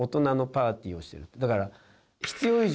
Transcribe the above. だから。